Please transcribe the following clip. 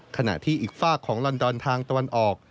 ขณะที่อีกฝากของลอนดอนทางตะวันออก